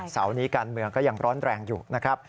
เส้านี้การเมืองก็ยังร้อนแรงอยู่